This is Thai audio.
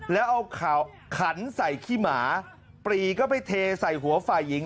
แล้วเอาขันใส่ขี้หมาปรีก็ไปเทใส่หัวฝ่ายหญิง